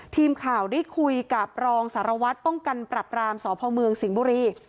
ทีมข่าวได้คุยกับรองสารวัตรป้องกันปรับรามสพเมืองสิงห์บุรี